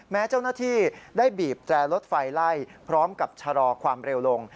แม้เจ้าหน้าที่ได้บีบแตรรถไฟไล่พร้อมกับชะลอความเร็วลง